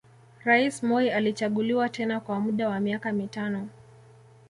Rais Moi alichaguliwa tena kwa muda wa miaka mitano